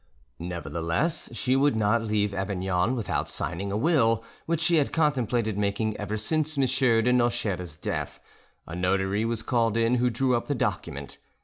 Nevertheless, she would not leave Avignon without signing the will which she had contemplated making ever since M. de Nocheres' death. A notary was called in who drew up the document.